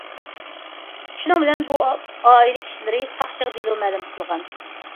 شۇنىڭ بىلەن بۇ ئائىلە كىشىلىرى ساقچىغا دېلو مەلۇم قىلغان.